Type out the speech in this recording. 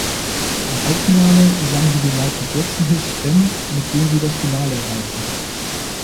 Im Halbfinale sang sie den Michael Jackson-Hit "Ben", mit dem sie das Finale erreichte.